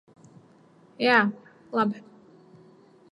Jā, labi.